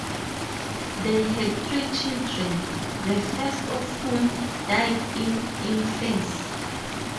They had three children, the first of whom died in infancy.